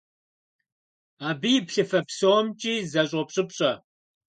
Абы и плъыфэ псомкӀи зэщӀопщӀыпщӀэ.